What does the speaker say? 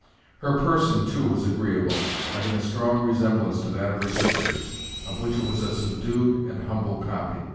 Her person, too, was agreeable, having a strong resemblance to that of her sister's, of which it was a subdued and humble copy.